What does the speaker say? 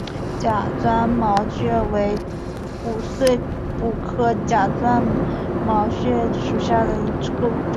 假钻毛蕨为骨碎补科假钻毛蕨属下的一个种。